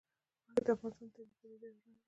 غوښې د افغانستان د طبیعي پدیدو یو رنګ دی.